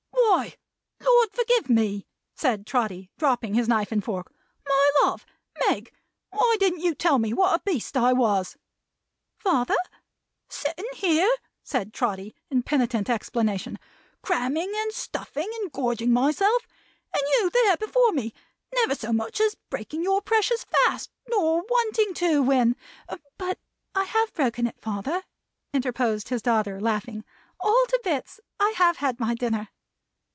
"Why, Lord forgive me!" said Trotty, dropping his knife and fork. "My love! Meg! why didn't you tell me what a beast I was?" "Father?" "Sitting here," said Trotty, in penitent explanation, "cramming and stuffing, and gorging myself; and you before me there, never so much as breaking your precious fast, nor wanting to, when " "But I have broken it, father," interposed his daughter, laughing, "all to bits. I have had my dinner."